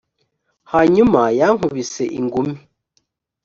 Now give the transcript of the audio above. hanyuma yankubise ingumi